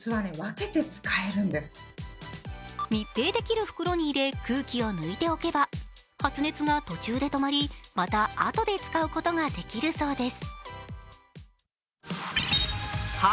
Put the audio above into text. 密閉できる袋に入れ空気を抜いておけば発熱が途中で止まり、またあとで使うことができるそうです。